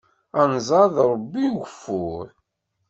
Anẓar d Ṛebbi n ugeffur.